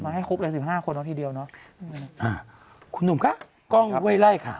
ให้ครบเลยสิบห้าคนเอาทีเดียวเนอะอ่าคุณหนุ่มคะกล้องห้วยไล่ค่ะ